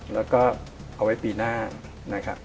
แล้วก็เอาไว้ปีหน้านะครับ